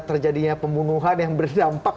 terjadinya pemunguhan yang berdampak